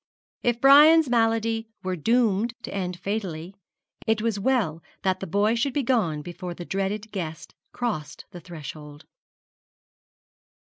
If Brian's malady were doomed to end fatally, it was well that the boy should be gone before the dreaded guest crossed the threshold.